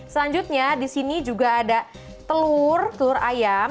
selanjutnya disini juga ada telur telur ayam